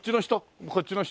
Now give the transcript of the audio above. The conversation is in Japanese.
こっちの人？